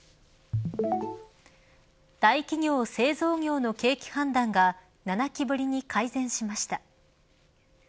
大企業、製造業の景気判断が７期ぶりに改善しました。